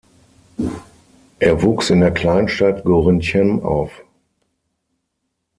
Er wuchs in der Kleinstadt Gorinchem auf.